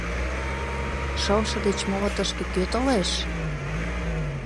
Шылше деч моло тышке кӧ толеш?